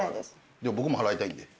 僕も払いたいんで。